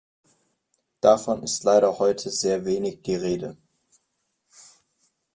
Davon ist leider heute sehr wenig die Rede.